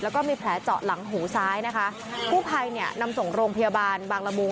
แล้วก็มีแผลเจาะหลังหูซ้ายนะคะกู้ภัยเนี่ยนำส่งโรงพยาบาลบางละมุง